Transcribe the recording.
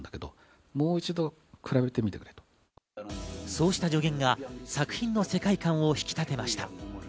そうした助言が作品の世界観を引き立てました。